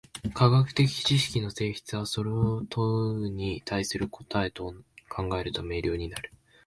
科学的知識の性質は、それを問に対する答と考えると明瞭になる。